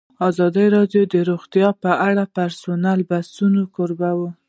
ازادي راډیو د روغتیا په اړه د پرانیستو بحثونو کوربه وه.